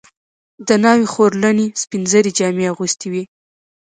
د ناوې خورلڼې سپین زري جامې اغوستې وې.